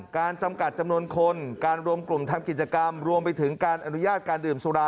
จำกัดจำนวนคนการรวมกลุ่มทำกิจกรรมรวมไปถึงการอนุญาตการดื่มสุรา